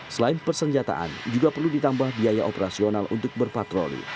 selain persenjataan juga perlu ditambah biaya operasional untuk berpatroli